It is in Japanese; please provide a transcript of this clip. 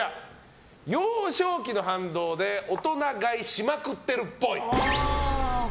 幼少期の反動で大人買いしまくってるっぽい。